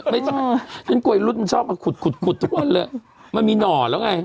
ไม่ใช่ฉันกลัวรุ่นชอบมาขุดขุดทุกวันเลยมันมีหน่อแล้วไง